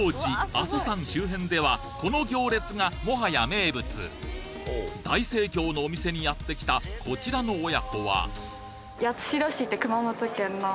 阿蘇山周辺ではこの行列がもはや名物大盛況のお店にやって来たこちらの親子は熊本県の。